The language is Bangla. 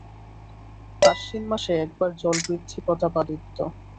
আশ্বিন মাসে একবার জলবৃদ্ধি– প্রতাপাদিত্য।